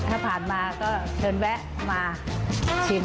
ถ้าผ่านมาก็เชิญแวะมาชิม